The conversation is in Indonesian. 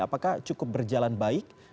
apakah cukup berjalan baik